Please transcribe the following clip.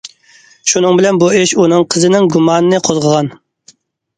شۇنىڭ بىلەن بۇ ئىش ئۇنىڭ قىزىنىڭ گۇمانىنى قوزغىغان.